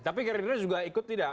tapi gerindra juga ikut tidak